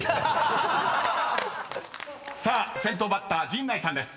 ［先頭バッター陣内さんです］